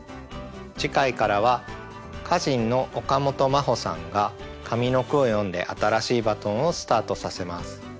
次回からは歌人の岡本真帆さんが上の句を詠んで新しいバトンをスタートさせます。